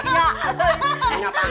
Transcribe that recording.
bisa kita lanjut di kampung